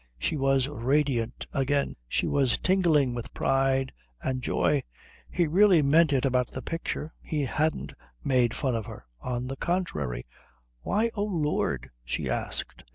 She was radiant again. She was tingling with pride and joy. He really meant it about the picture. He hadn't made fun of her. On the contrary.... "Why O Lord?" she asked.